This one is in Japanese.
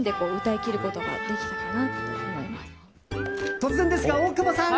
突然ですが、大久保さん。